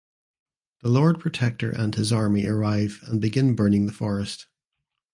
The Lord Protector and his army arrive and begin burning the forest.